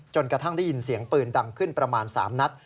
กระทั่งได้ยินเสียงปืนดังขึ้นประมาณ๓นัด